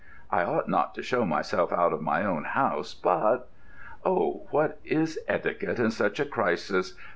I ought not to show myself out of my own house, but——" "Oh, what is etiquette in such a crisis?